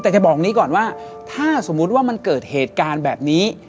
แต่จะบอกนี้ก่อนว่าถ้าสมมุติว่ามันเกิดเหตุการณ์แบบนี้